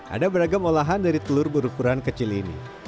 ada beragam olahan dari telur berukuran kecil ini